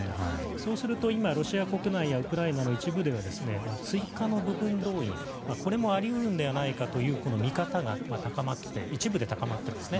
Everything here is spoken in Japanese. そうすると今、ロシア国内やウクライナの一部では追加の部分動員もあり得るのではないかというこの見方が一部で高まっていますね。